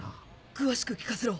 詳しく聞かせろ。